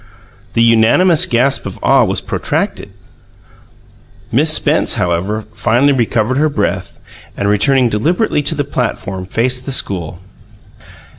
The unanimous gasp of awe was protracted. Miss Spence, however, finally recovered her breath, and, returning deliberately to the platform, faced the school.